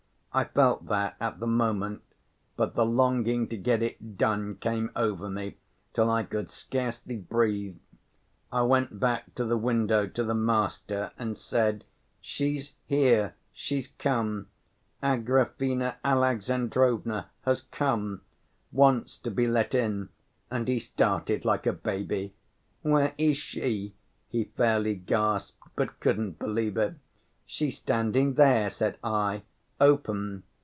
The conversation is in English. I felt that at the moment, but the longing to get it done came over me, till I could scarcely breathe. I went back to the window to the master and said, 'She's here, she's come; Agrafena Alexandrovna has come, wants to be let in.' And he started like a baby. 'Where is she?' he fairly gasped, but couldn't believe it. 'She's standing there,' said I. 'Open.